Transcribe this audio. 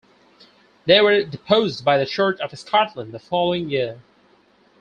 They were deposed by the Church of Scotland the following year.